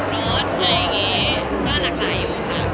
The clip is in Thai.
ก็มีคนทำเยอะ